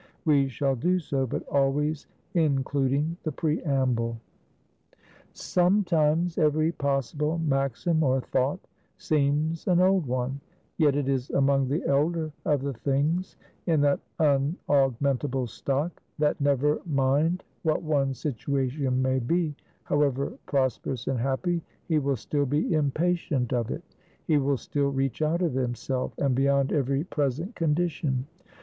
We shall do so, but always including, the preamble. Sometimes every possible maxim or thought seems an old one; yet it is among the elder of the things in that unaugmentable stock, that never mind what one's situation may be, however prosperous and happy, he will still be impatient of it; he will still reach out of himself, and beyond every present condition.